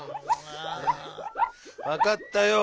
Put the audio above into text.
わかったよ。